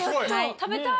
食べたい！